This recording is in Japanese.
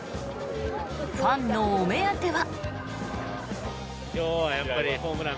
ファンのお目当ては。